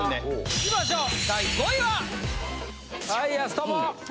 いきましょう。